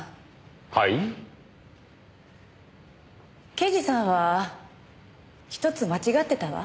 刑事さんはひとつ間違ってたわ。